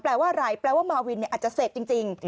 แปลว่าอะไรแปลว่ามาวินอาจจะเสพจริง